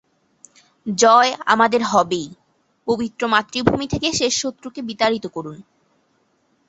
France ও Italy উভয়েই এটিকে নিজ-নিজ দেশের অন্তর্গত বলে দাবি করে।